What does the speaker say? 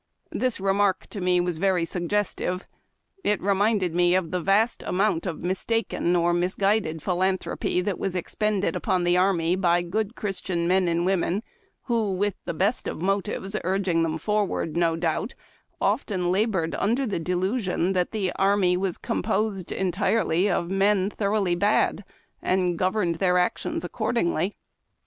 This remark to me was very suggestive. It reminded me of the vast amount of mistaken or misguided philanthropy tliat Avas expended upon the army by good Christian men and women, who, with the best of motives urging them forward no doubt, often labored under the delusion that the army was composed entirely of men thorougldy bad, and governed their actions accordingly.